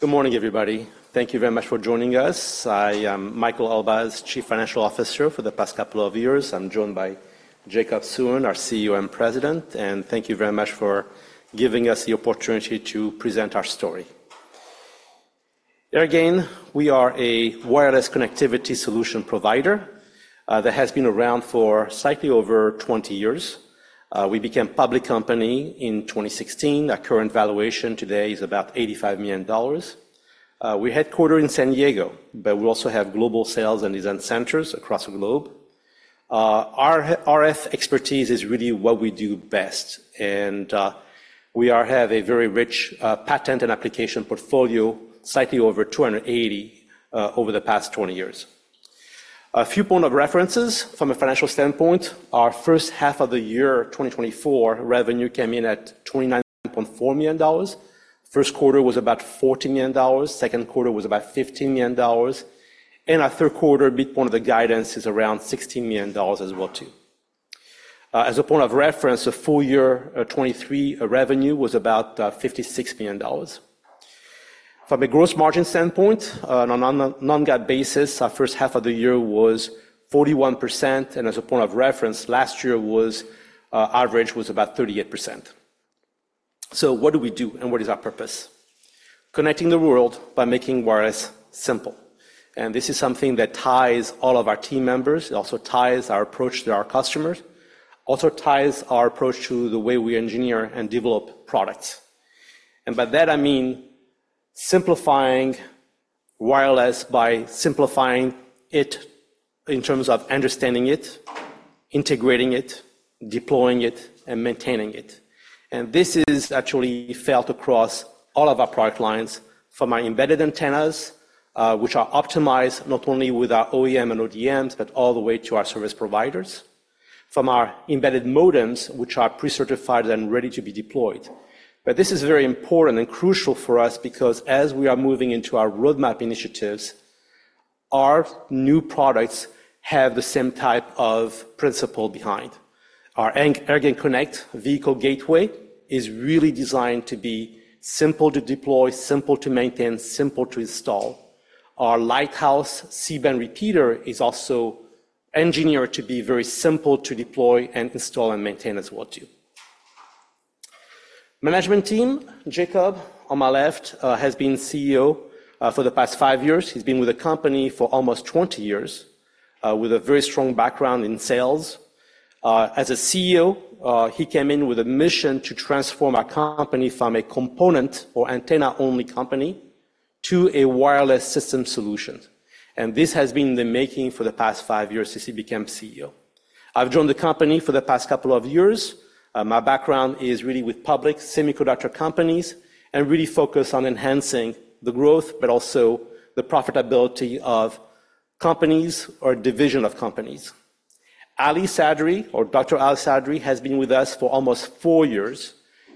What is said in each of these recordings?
Good morning, everybody. Thank you very much for joining us. I am Michael Elbaz, Chief Financial Officer for the past couple of years. I'm joined by Jacob Suen, our CEO and President, and thank you very much for giving us the opportunity to present our story. Airgain, we are a wireless connectivity solution provider that has been around for slightly over 20 years. We became public company in 2016. Our current valuation today is about $85 million. We're headquartered in San Diego, but we also have global sales and design centers across the globe. Our RF expertise is really what we do best, and we have a very rich patent and application portfolio, slightly over 280 over the past 20 years. A few points of reference from a financial standpoint, our first half of the year, 2024, revenue came in at $29.4 million. First quarter was about $14 million, second quarter was about $15 million, and our third quarter, midpoint of the guidance is around $16 million as well, too. As a point of reference, the full year 2023 revenue was about $56 million. From a gross margin standpoint, on a non-GAAP basis, our first half of the year was 41%, and as a point of reference, last year average was about 38%. So what do we do, and what is our purpose? Connecting the world by making wireless simple, and this is something that ties all of our team members. It also ties our approach to our customers, also ties our approach to the way we engineer and develop products. And by that, I mean simplifying wireless by simplifying it in terms of understanding it, integrating it, deploying it, and maintaining it. And this is actually felt across all of our product lines, from our embedded antennas, which are optimized not only with our OEM and ODMs, but all the way to our service providers, from our embedded modems, which are pre-certified and ready to be deployed. But this is very important and crucial for us because as we are moving into our roadmap initiatives, our new products have the same type of principle behind. Our AirgainConnect Vehicle Gateway is really designed to be simple to deploy, simple to maintain, simple to install. Our Lighthouse C-Band Repeater is also engineered to be very simple to deploy and install and maintain as well, too. Management team, Jacob, on my left, has been CEO for the past five years. He's been with the company for almost 20 years with a very strong background in sales. As a CEO, he came in with a mission to transform our company from a component or antenna-only company to a wireless system solution, and this has been the making for the past five years since he became CEO. I've joined the company for the past couple of years. My background is really with public semiconductor companies and really focused on enhancing the growth, but also the profitability of companies or division of companies. Ali Sadri, or Dr. Ali Sadri, has been with us for almost four years.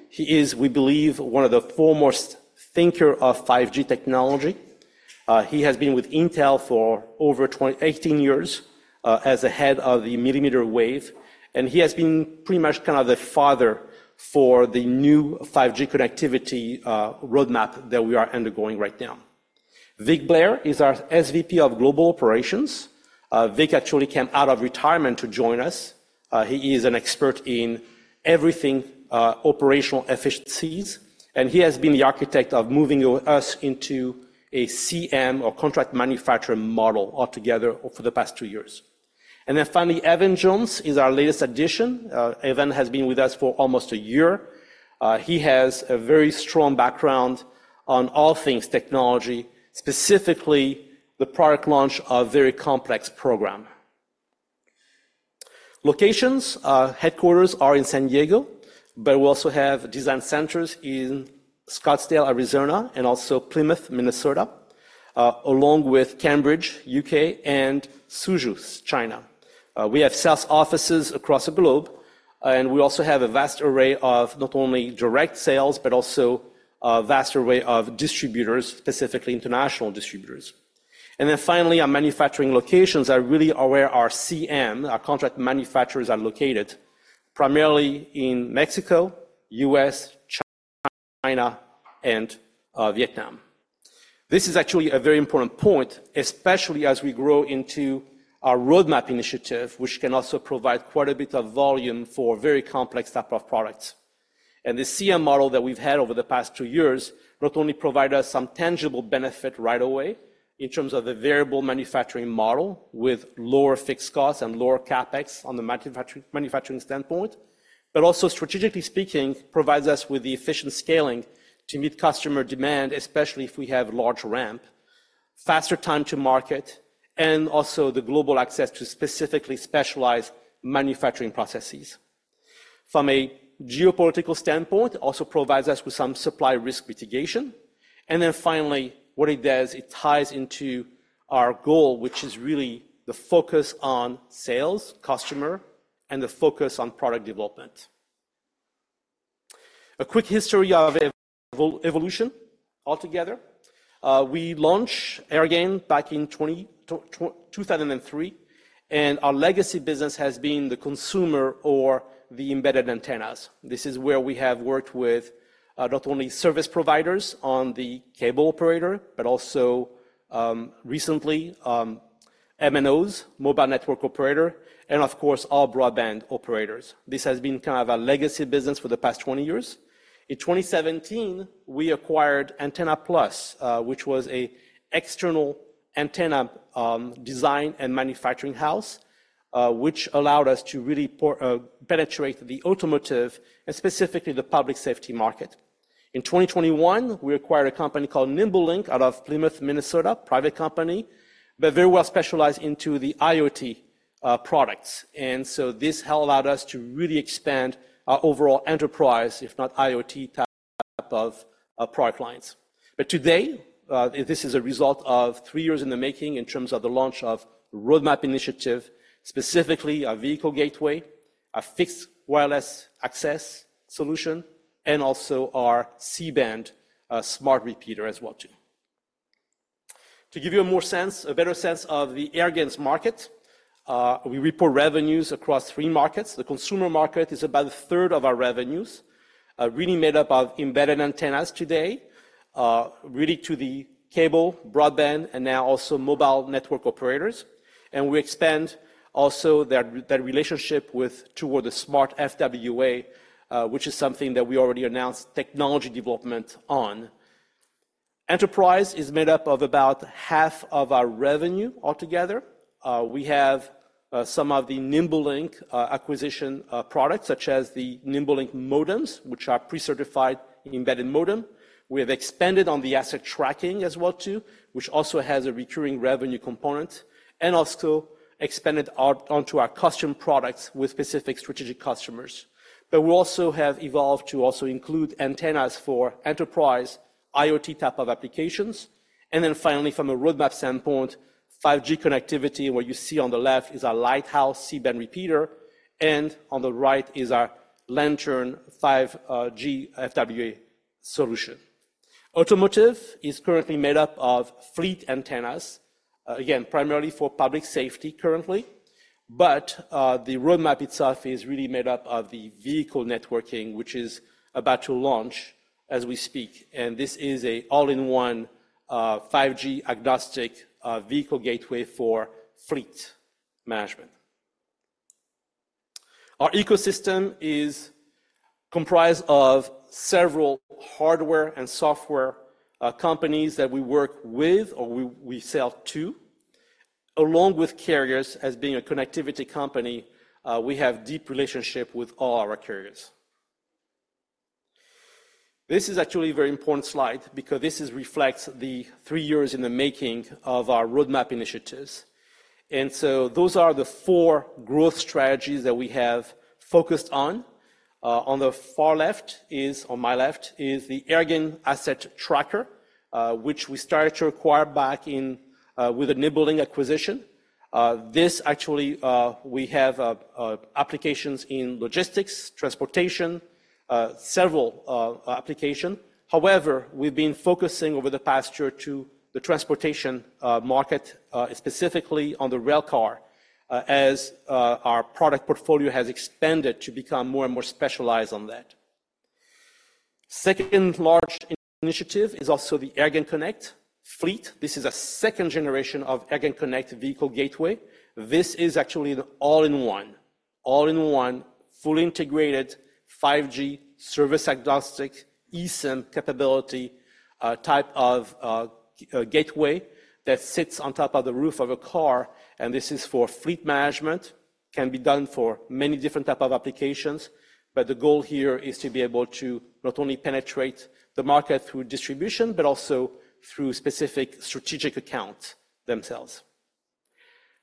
He is, we believe, one of the foremost thinker of 5G technology. He has been with Intel for over 18 years, as the Head of the Millimeter Wave, and he has been pretty much kind of the father for the new 5G connectivity roadmap that we are undergoing right now. Vic Blair is our SVP of Global Operations. Vic actually came out of retirement to join us. He is an expert in everything operational efficiencies, and he has been the architect of moving us into a CM or Contract Manufacturing model altogether over the past two years. And then finally, Evan Jones is our latest addition. Evan has been with us for almost a year. He has a very strong background on all things technology, specifically the product launch of very complex program. Locations, our headquarters are in San Diego, but we also have design centers in Scottsdale, Arizona, and also Plymouth, Minnesota, along with Cambridge, U.K., and Suzhou, China. We have sales offices across the globe, and we also have a vast array of not only direct sales, but also a vast array of distributors, specifically international distributors. And then finally, our manufacturing locations are really where our CM, our Contract Manufacturers, are located, primarily in Mexico, U.S., China, and Vietnam. This is actually a very important point, especially as we grow into our roadmap initiative, which can also provide quite a bit of volume for very complex type of products. The CM model that we've had over the past two years not only provide us some tangible benefit right away in terms of the variable manufacturing model with lower fixed costs and lower CapEx on the manufacturing standpoint, but also, strategically speaking, provides us with the efficient scaling to meet customer demand, especially if we have large ramp, faster time to market, and also the global access to specifically specialized manufacturing processes. From a geopolitical standpoint, it also provides us with some supply risk mitigation. Then finally, what it does, it ties into our goal, which is really the focus on sales, customer, and the focus on product development. A quick history of evolution altogether. We launched Airgain back in 2003, and our legacy business has been the consumer or the embedded antennas. This is where we have worked with, not only service providers on the cable operator, but also, recently, MNOs, mobile network operator, and of course, all broadband operators. This has been kind of a legacy business for the past 20 years. In 2017, we acquired Antenna Plus, which was a external antenna, design and manufacturing house, which allowed us to really penetrate the automotive and specifically the public safety market. In 2021, we acquired a company called NimbeLink out of Plymouth, Minnesota, private company, but very well specialized into the IoT products. And so this helped allowed us to really expand our overall enterprise, if not IoT type of product lines. But today, this is a result of three years in the making in terms of the launch of roadmap initiative, specifically our Vehicle Gateway, a fixed wireless access solution, and also our C-band smart repeater as well, too. To give you a more sense, a better sense of the Airgain's market, we report revenues across three markets. The consumer market is about a 1/3 of our revenues, really made up of embedded antennas today, really to the cable, broadband, and now also mobile network operators. And we expand also that, that relationship with toward the Smart FWA, which is something that we already announced technology development on. Enterprise is made up of about half of our revenue altogether. We have some of the NimbeLink acquisition products, such as the NimbeLink modems, which are pre-certified embedded modem. We have expanded on the asset tracking as well, too, which also has a recurring revenue component, and also expanded out onto our custom products with specific strategic customers. But we also have evolved to also include antennas for enterprise, IoT type of applications. And then finally, from a roadmap standpoint, 5G connectivity, what you see on the left is our Lighthouse C-Band Repeater, and on the right is our Lantern 5G FWA solution. Automotive is currently made up of fleet antennas, again, primarily for public safety currently, but the roadmap itself is really made up of the vehicle networking, which is about to launch as we speak. And this is a all-in-one, 5G-agnostic vehicle gateway for fleet management. Our ecosystem is comprised of several hardware and software companies that we work with or we sell to, along with carriers. As being a connectivity company, we have deep relationship with all our carriers. This is actually a very important slide because this reflects the three years in the making of our roadmap initiatives. Those are the four growth strategies that we have focused on. On the far left, on my left, is the Airgain Asset Tracker, which we started to acquire back in with the NimbeLink acquisition. This actually we have applications in logistics, transportation, several applications. However, we've been focusing over the past year to the transportation market, specifically on the rail car, as our product portfolio has expanded to become more and more specialized on that. Second large initiative is also the AirgainConnect Fleet. This is a second generation of AirgainConnect Vehicle Gateway. This is actually an all-in-one, all-in-one, fully integrated, 5G service agnostic, eSIM capability, type of gateway that sits on top of the roof of a car, and this is for fleet management, can be done for many different type of applications. But the goal here is to be able to not only penetrate the market through distribution, but also through specific strategic accounts themselves.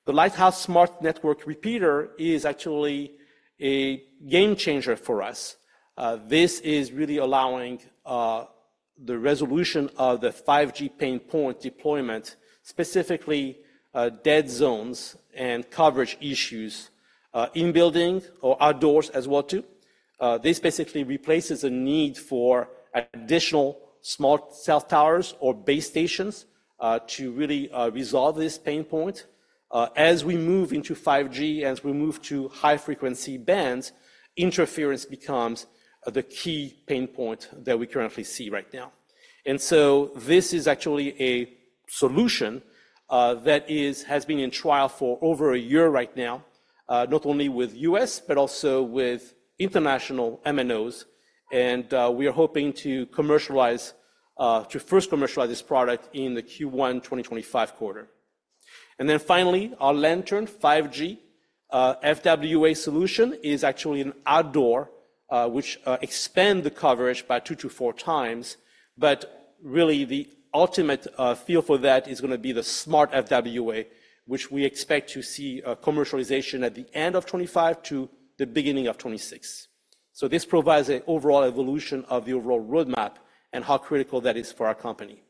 The Lighthouse Smart Network Repeater is actually a game changer for us. This is really allowing the resolution of the 5G pain point deployment, specifically dead zones and coverage issues in building or outdoors as well, too. This basically replaces a need for additional smart cell towers or base stations to really resolve this pain point. As we move into 5G, as we move to high frequency bands, interference becomes the key pain point that we currently see right now. So this is actually a solution that is, has been in trial for over a year right now, not only with U.S., but also with international MNOs. We are hoping to commercialize, to first commercialize this product in the Q1 2025 quarter. Then finally, our Lantern 5G FWA solution is actually an outdoor which expand the coverage by 2x-4x. But really, the ultimate feel for that is gonna be the Smart FWA, which we expect to see a commercialization at the end of 2025 to the beginning of 2026. This provides an overall evolution of the overall roadmap and how critical that is for our company.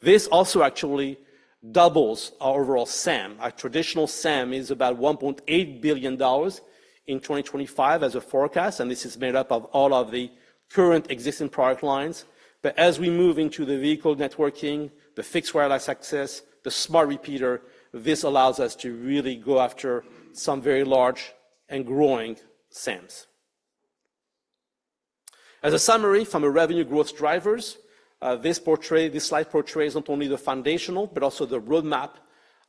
This also actually doubles our overall SAM. Our traditional SAM is about $1.8 billion in 2025 as a forecast, and this is made up of all of the current existing product lines. But as we move into the vehicle networking, the fixed wireless access, the smart repeater, this allows us to really go after some very large and growing SAMs. As a summary from a revenue growth drivers, this slide portrays not only the foundational but also the roadmap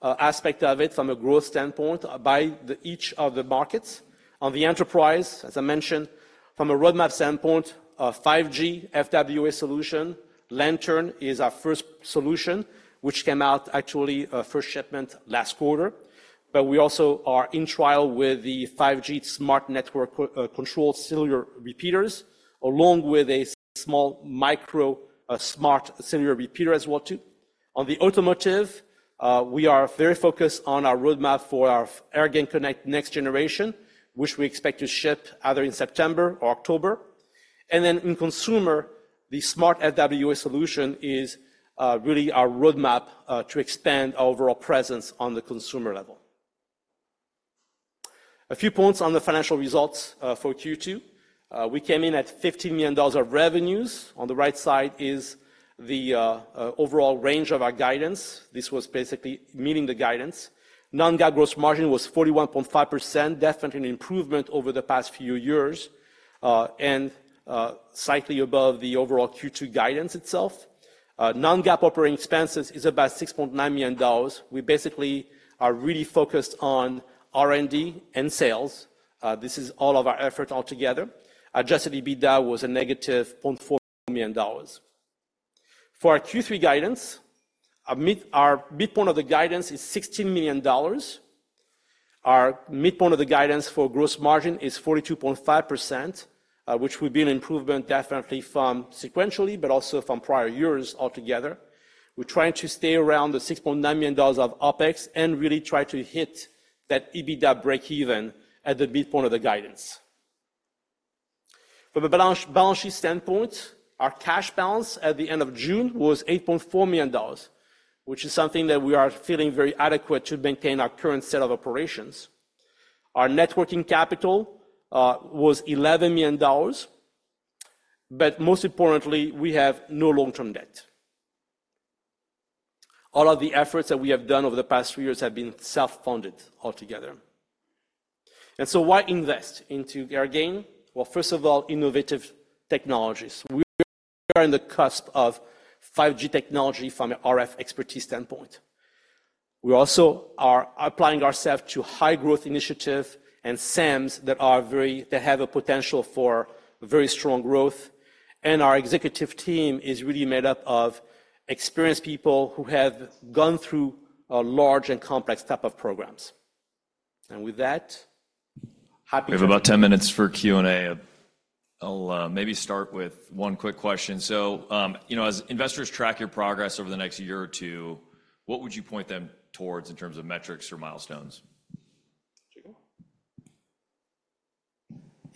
aspect of it from a growth standpoint by each of the markets. On the enterprise, as I mentioned, from a roadmap standpoint, 5G FWA solution, Lantern is our first solution, which came out actually, first shipment last quarter. But we also are in trial with the 5G smart network controller cellular repeaters, along with a small micro smart cellular repeater as well, too. On the automotive, we are very focused on our roadmap for our AirgainConnect next generation, which we expect to ship either in September or October. And then in consumer, the Smart FWA solution is really our roadmap to expand our overall presence on the consumer level. A few points on the financial results for Q2. We came in at $15 million of revenues. On the right side is the overall range of our guidance. This was basically meeting the guidance. Non-GAAP gross margin was 41.5%, definitely an improvement over the past few years, and slightly above the overall Q2 guidance itself. Non-GAAP operating expenses is about $6.9 million. We basically are really focused on R&D and sales. This is all of our effort altogether. Adjusted EBITDA was a -$0.4 million. For our Q3 guidance, our midpoint of the guidance is $16 million. Our midpoint of the guidance for gross margin is 42.5%, which will be an improvement definitely from sequentially, but also from prior years altogether. We're trying to stay around the $6.9 million of OpEx and really try to hit that EBITDA breakeven at the midpoint of the guidance. From a balance sheet standpoint, our cash balance at the end of June was $8.4 million, which is something that we are feeling very adequate to maintain our current set of operations. Our net working capital was $11 million, but most importantly, we have no long-term debt. All of the efforts that we have done over the past few years have been self-funded altogether. And so why invest into Airgain? Well, first of all, innovative technologies. We are on the cusp of 5G technology from an RF expertise standpoint. We also are applying ourselves to high-growth initiative and SAMs that have a potential for very strong growth. And our executive team is really made up of experienced people who have gone through a large and complex type of programs. And with that, happy- We have about ten minutes for Q&A. I'll maybe start with one quick question. So, you know, as investors track your progress over the next year or two, what would you point them towards in terms of metrics or milestones?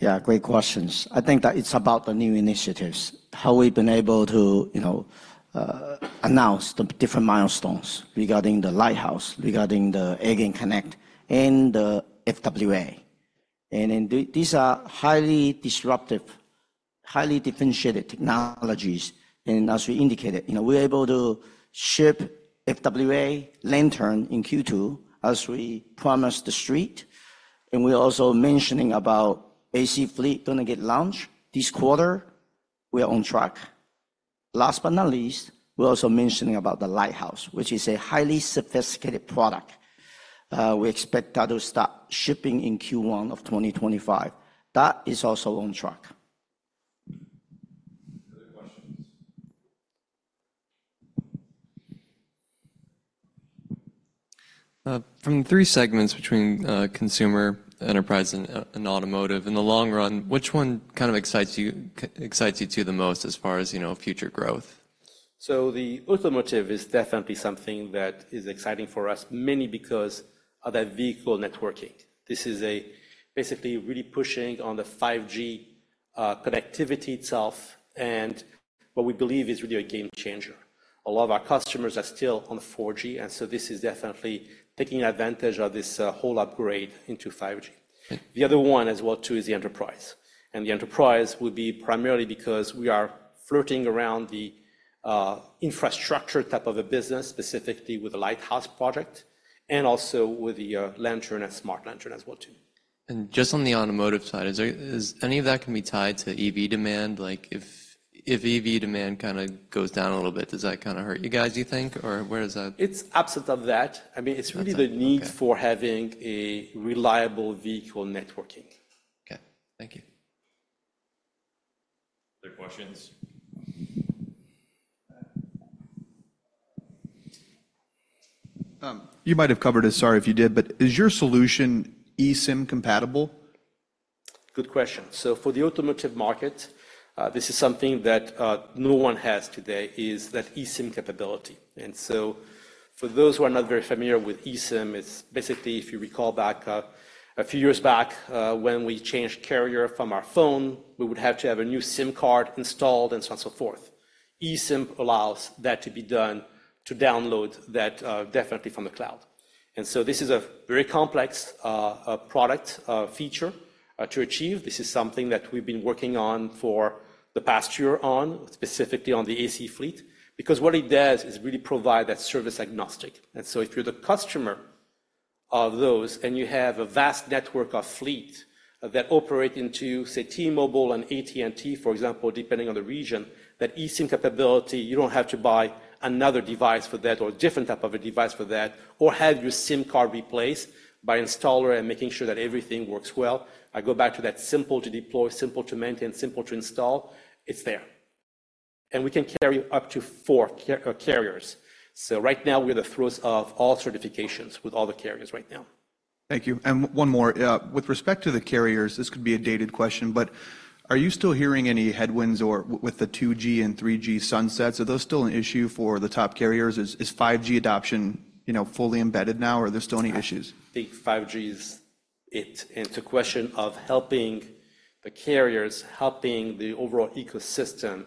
Jacob? Yeah, great questions. I think that it's about the new initiatives, how we've been able to, you know, announce the different milestones regarding the Lighthouse, regarding the AirgainConnect, and the FWA, and then these are highly disruptive, highly differentiated technologies, and as we indicated, you know, we're able to ship FWA Lantern in Q2 as we promised the street, and we're also mentioning about AC Fleet going to get launched this quarter. We are on track. Last but not least, we're also mentioning about the Lighthouse, which is a highly sophisticated product. We expect that to start shipping in Q1 of 2025. That is also on track. From the three segments between Consumer, Enterprise, and Automotive, in the long run, which one kind of excites you to the most as far as, you know, future growth? The Automotive is definitely something that is exciting for us, mainly because of that vehicle networking. This is basically really pushing on the 5G connectivity itself and what we believe is really a game changer. A lot of our customers are still on the 4G, and so this is definitely taking advantage of this whole upgrade into 5G. The other one as well, too, is the Enterprise. The Enterprise would be primarily because we are flirting around the infrastructure type of a business, specifically with the Lighthouse project and also with the Lantern and Smart Lantern as well, too. And just on the automotive side, is there any of that can be tied to EV demand? Like, if EV demand kinda goes down a little bit, does that kinda hurt you guys, do you think, or where is that? It's absent of that. Absent, okay. I mean, it's really the need for having a reliable vehicle networking. Okay, thank you. Other questions? You might have covered this. Sorry if you did, but is your solution eSIM compatible? Good question. So for the automotive market, this is something that no one has today, is that eSIM capability. And so for those who are not very familiar with eSIM, it's basically, if you recall back a few years back, when we changed carrier from our phone, we would have to have a new SIM card installed and so on so forth. eSIM allows that to be done, to download that definitely from the cloud. And so this is a very complex product feature to achieve. This is something that we've been working on for the past year on, specifically on the AC Fleet, because what it does is really provide that service agnostic. And so if you're the customer-... Of those, and you have a vast network of fleet that operate into, say, T-Mobile and AT&T, for example, depending on the region, that eSIM capability. You don't have to buy another device for that or a different type of a device for that, or have your SIM card replaced by installer and making sure that everything works well. I go back to that simple to deploy, simple to maintain, simple to install. It's there. And we can carry up to four carriers. So right now, we're in the throes of all certifications with all the carriers right now. Thank you. And one more. With respect to the carriers, this could be a dated question, but are you still hearing any headwinds or with the 2G and 3G sunsets, are those still an issue for the top carriers? Is 5G adoption, you know, fully embedded now, or are there still any issues? I think 5G is it. It's a question of helping the carriers, helping the overall ecosystem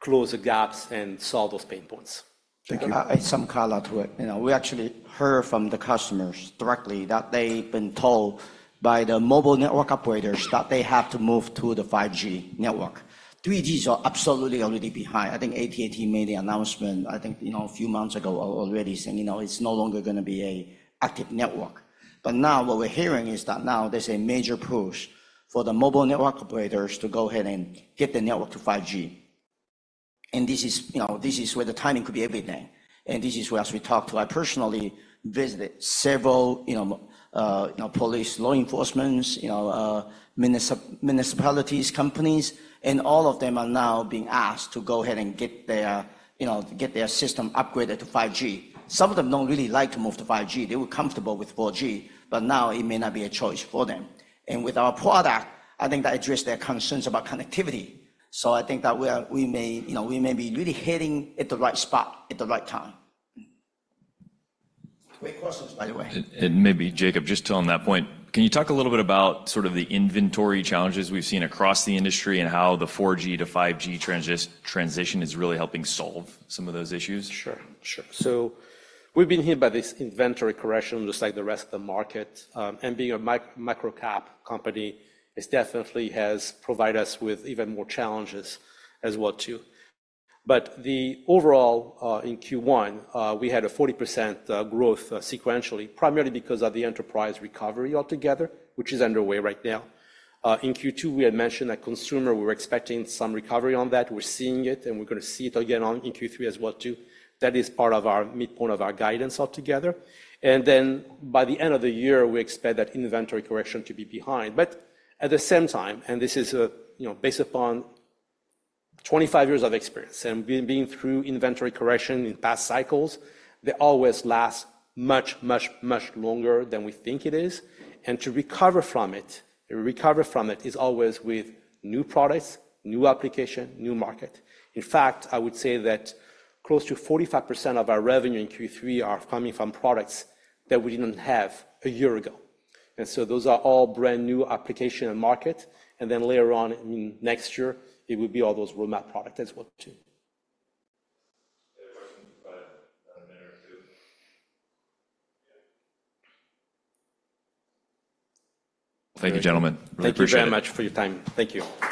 close the gaps and solve those pain points. Thank you. I add some color to it. You know, we actually heard from the customers directly that they've been told by the mobile network operators that they have to move to the 5G network. 3G is absolutely already behind. I think AT&T made the announcement, I think, you know, a few months ago already, saying, you know, it's no longer gonna be an active network. But now what we're hearing is that now there's a major push for the mobile network operators to go ahead and get the network to 5G. And this is, you know, this is where the timing could be everything, and this is where, as we talked to. I personally visited several, you know, police, law enforcement, you know, municipalities, companies, and all of them are now being asked to go ahead and get their, you know, get their system upgraded to 5G. Some of them don't really like to move to 5G. They were comfortable with 4G, but now it may not be a choice for them. And with our product, I think that addressed their concerns about connectivity. So I think that we may, you know, we may be really hitting at the right spot at the right time. Great questions, by the way. Maybe, Jacob, just on that point, can you talk a little bit about sort of the inventory challenges we've seen across the industry and how the 4G to 5G transition is really helping solve some of those issues? Sure, sure. So we've been hit by this inventory correction just like the rest of the market. And being a micro cap company, it's definitely has provided us with even more challenges as well, too. But the overall, in Q1, we had a 40% growth sequentially, primarily because of the enterprise recovery altogether, which is underway right now. In Q2, we had mentioned that consumer, we were expecting some recovery on that. We're seeing it, and we're gonna see it again in Q3 as well, too. That is part of our midpoint of our guidance altogether. And then by the end of the year, we expect that inventory correction to be behind. But at the same time, and this is, you know, based upon 25 years of experience and being through inventory correction in past cycles, they always last much, much, much longer than we think it is. And to recover from it is always with new products, new application, new market. In fact, I would say that close to 45% of our revenue in Q3 are coming from products that we didn't have a year ago, and so those are all brand-new application and market, and then later on in next year, it will be all those roadmap product as well, too. We have a question in about a minute or two. Yeah. Thank you, gentlemen. Really appreciate it. Thank you very much for your time. Thank you.